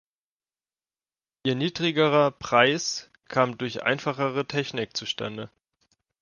Ihr niedrigerer Preis kam durch einfachere Technik zustande.